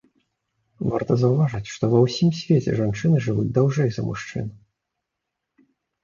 Варта заўважыць, што ва ўсім свеце жанчыны жывуць даўжэй за мужчын.